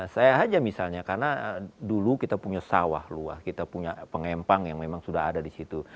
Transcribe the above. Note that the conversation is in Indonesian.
saya aja misalnya karena dulu kita punya sawah luar kita punya pengempang yang memang sudah ada di situ